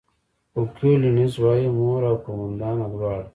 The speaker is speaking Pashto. خو کولینز وايي، مور او قوماندانه دواړه.